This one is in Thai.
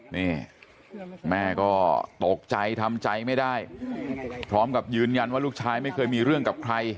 นี่แม่ก็ตกใจทำใจไม่ได้พร้อมกับยืนยันว่าลูกชายไม่เคยมีเรื่องกับใคร